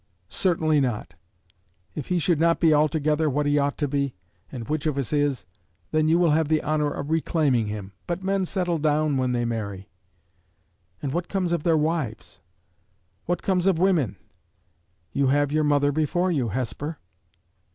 "Certainly not. If he should not be altogether what he ought to be and which of us is? then you will have the honor of reclaiming him. But men settle down when they marry." "And what comes of their wives?" "What comes of women. You have your mother before you, Hesper."